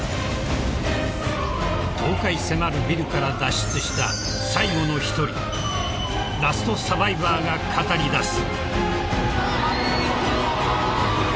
［倒壊迫るビルから脱出した最後の１人ラストサバイバーが語りだす］